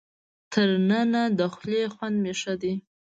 تر ننه د خولې خوند مې ښه دی.